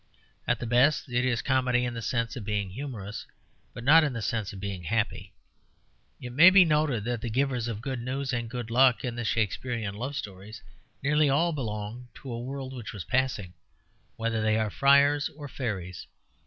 At the best it is comedy in the sense of being humorous, but not in the sense of being happy. It may be noted that the givers of good news and good luck in the Shakespearian love stories nearly all belong to a world which was passing, whether they are friars or fairies.